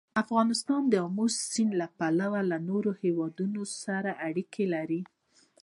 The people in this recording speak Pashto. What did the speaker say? افغانستان د آمو سیند له پلوه له نورو هېوادونو سره اړیکې لري.